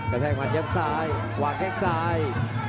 กระแทงมันยับซ่ายหวากแค่ซ่าย